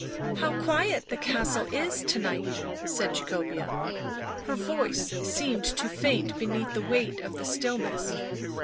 " How quiet the castle is to night/ ' said Jaeobea; her voice seemed to faint beneath the weight of the stillness.